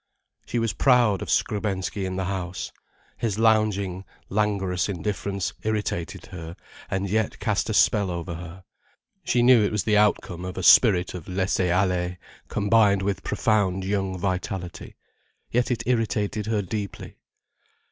She was proud of Skrebensky in the house. His lounging, languorous indifference irritated her and yet cast a spell over her. She knew it was the outcome of a spirit of laisser aller combined with profound young vitality. Yet it irritated her deeply.